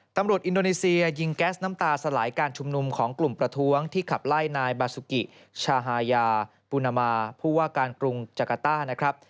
อินโดนีเซียยิงแก๊สน้ำตาสลายการชุมนุมของกลุ่มประท้วงที่ขับไล่นายบาสุกิชาฮายาปูนามาผู้ว่าการกรุงจักรต้านะครับ